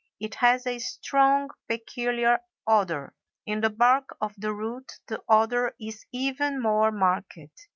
It has a strong peculiar odor; in the bark of the root the odor is even more marked.